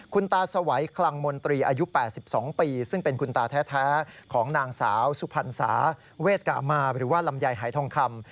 คุณตาสวัยคลังมนตรีอายุ๘๒ปีซึ่งเป็นคุณตาแท้ของนางสาวสุพรรณสาเวทกามาหรือว่าลำไยหายทองคำ